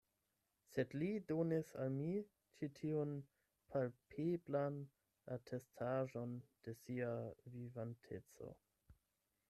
Sed li donis al mi ĉi tiun palpeblan atestaĵon de sia vivanteco.